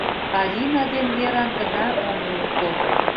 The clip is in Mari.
Алина ден Веран гына омо ок тол.